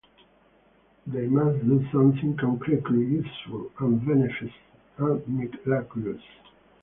They must do something concretely useful, and beneficent, and miraculous.